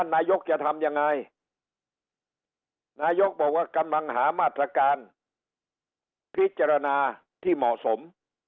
นายกจะทำยังไงนายกบอกว่ากำลังหามาตรการพิจารณาที่เหมาะสม